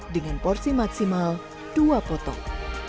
dengan porsi maksimal dua potong